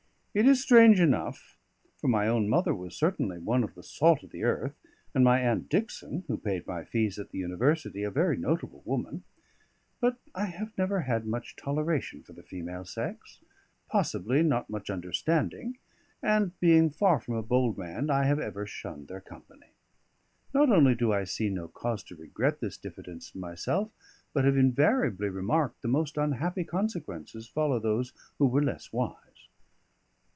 It is strange enough (for my own mother was certainly one of the salt of the earth, and my Aunt Dickson, who paid my fees at the University, a very notable woman), but I have never had much toleration for the female sex, possibly not much understanding; and being far from a bold man, I have ever shunned their company. Not only do I see no cause to regret this diffidence in myself, but have invariably remarked the most unhappy consequences follow those who were less wise.